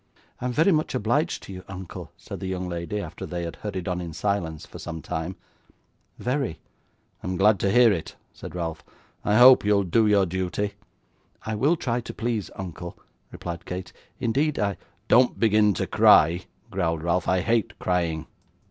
'I am very much obliged to you, uncle,' said the young lady, after they had hurried on in silence for some time; 'very.' 'I'm glad to hear it,' said Ralph. 'I hope you'll do your duty.' 'I will try to please, uncle,' replied Kate: 'indeed I ' 'Don't begin to cry,' growled Ralph; 'I hate crying.